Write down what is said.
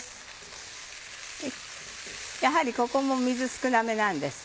やはりここも水少なめなんです。